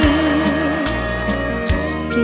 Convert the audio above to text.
อีกที